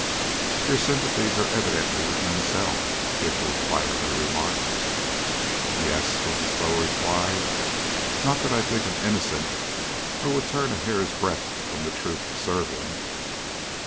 "Your sympathies are evidently with Mansell," Hickory quietly remarked. "Yes," was the slow reply. "Not that I think him innocent, or would turn a hair's breadth from the truth to serve him."